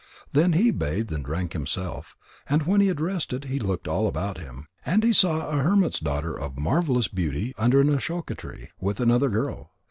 Then he bathed and drank himself, and when he had rested, he looked all about him. And he saw a hermit's daughter of marvellous beauty under an ashoka tree with another girl.